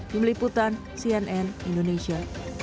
dibeliputan cnn indonesia